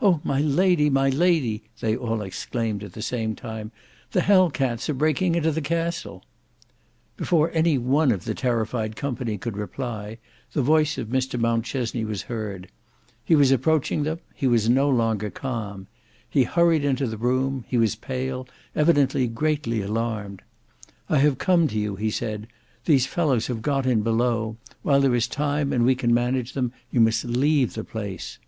"O! my lady, my lady," they all exclaimed at the same time, "the Hell cats are breaking into the castle." Before any one of the terrified company could reply, the voice of Mr Mountchesney was heard. He was approaching them; he was no longer calm. He hurried into the room; he was pale, evidently greatly alarmed. "I have come to you," he said; "these fellows have got in below. While there is time and we can manage them, you must leave the place."